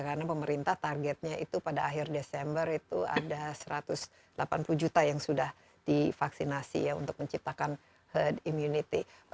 karena pemerintah targetnya itu pada akhir desember itu ada satu ratus delapan puluh juta yang sudah divaksinasi ya untuk menciptakan herd immunity